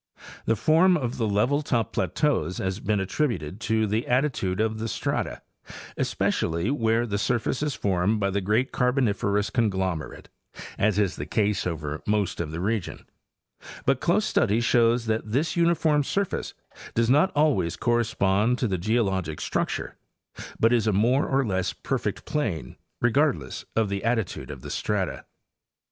The form of the level topped plateaus has been attributed to the attitude of the strata, especially where the surface is formed by the great Carboniferous conglomerate, as is the case over most of the region; but close study shows that this uniform surface does not always correspond to the geologic structure, but isa more or less perfect plain, regardless of the attitude of the strata.